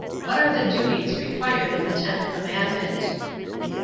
What are the duties required in the tenth commandment?